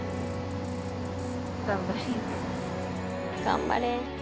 頑張れ。